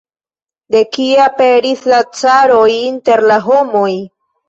De kie aperis la caroj inter la homoj?